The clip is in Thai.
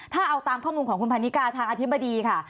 ถ้าเอาตามข้อมูลของคุณพันนิกาทางอธิบดีค่ะ